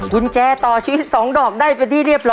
กุญแจต่อชีวิต๒ดอกได้ไปได้